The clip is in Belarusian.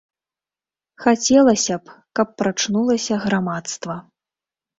Хацелася б, каб прачнулася грамадства.